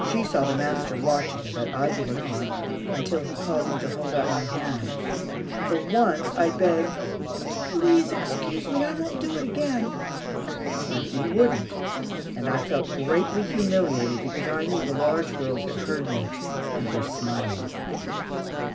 She saw the master watching, but I did not, until he called me to hold out my hand. For once, I begged, "Please excuse me; I won't do it again." But he wouldn't, and I felt greatly humiliated, because I knew the large girls had heard me and were smiling.